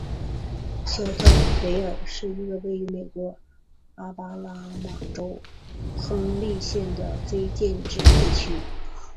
肖特维尔是一个位于美国阿拉巴马州亨利县的非建制地区。